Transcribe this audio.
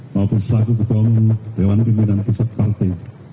maupun selaku ketua umum dewan pimpinan pusat partai